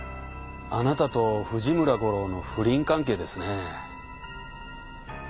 あなたと藤村吾郎の不倫関係ですね。